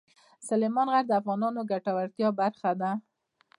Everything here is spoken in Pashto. سلیمان غر د افغانانو د ګټورتیا برخه ده.